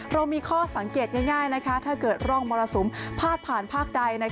เรามีข้อสังเกตง่ายถ้าเกิดร่องมรสุมพาดผ่านภาคใด